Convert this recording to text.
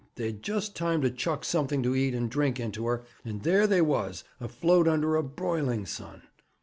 They'd just time to chuck something to eat and drink into her, and there they was, afloat under a broiling sun.